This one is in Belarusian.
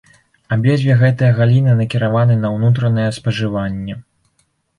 Абедзве гэтыя галіны накіраваны на ўнутранае спажыванне.